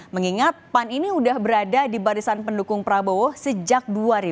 mengingat pan ini sudah berada di barisan pendukung prabowo sejak dua ribu empat